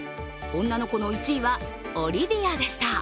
女の子の１位はオリビアでした。